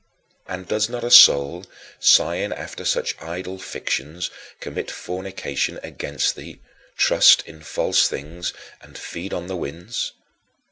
And does not a soul, sighing after such idle fictions, commit fornication against thee, trust in false things, and "feed on the winds"?